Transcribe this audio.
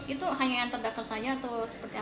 itu hanya yang terdaftar saja atau seperti apa